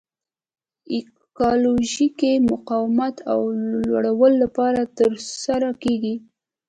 ایکالوژیکي مقاومت د لوړلولو لپاره ترسره کیږي.